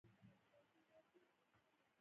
ایا زه ستاسو لارښوونې تعقیبوم؟